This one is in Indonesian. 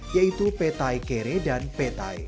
yaitu petai kere dan petai